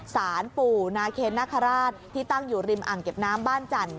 สารปู่นาเคนนคราชที่ตั้งอยู่ริมอ่างเก็บน้ำบ้านจันทร์